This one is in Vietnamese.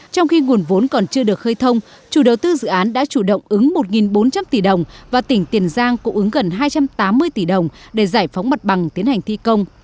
trong khi nguồn vốn còn chưa được khơi thông chủ đầu tư dự án đã chủ động ứng một bốn trăm linh tỷ đồng và tỉnh tiền giang cũng ứng gần hai trăm tám mươi tỷ đồng để giải phóng mặt bằng tiến hành thi công